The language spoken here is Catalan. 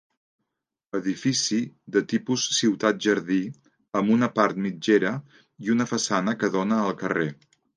Edifici de tipus ciutat-jardí, amb una part mitgera i una façana que dóna al carrer.